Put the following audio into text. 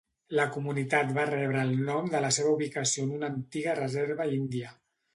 La comunitat va rebre el nom de la seva ubicació en una antiga reserva índia.